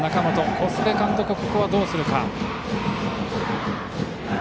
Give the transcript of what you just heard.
小菅監督、ここはどうするか。